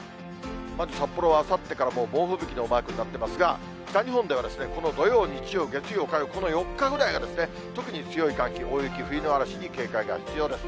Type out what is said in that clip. まず札幌はあさってから、猛吹雪のマークになっていますが、北日本ではこの土曜、日曜、月曜、火曜、この４日ぐらいが特に強い寒気、大雪、冬の嵐に警戒が必要です。